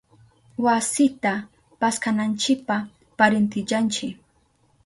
Wasita paskananchipa parintillanchi.